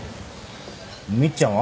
みっちゃんは？